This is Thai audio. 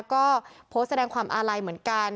ก็โพสต์แสดงความอาลัยเหมือนกัน